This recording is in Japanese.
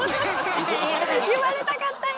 言われたかったよ。